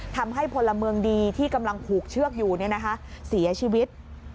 พลเมืองดีที่กำลังผูกเชือกอยู่เสียชีวิต